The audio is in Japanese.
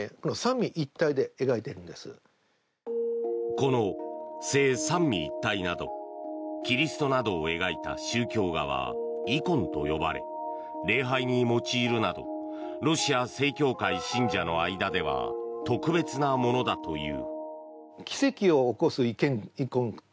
この「聖三位一体」などキリストなどを描いた宗教画はイコンと呼ばれ礼拝に用いるなどロシア正教会信者の間では特別なものだという。